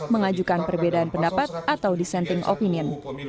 mengajukan perbedaan pendapat atau dissenting opinion